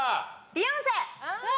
ビヨンセ。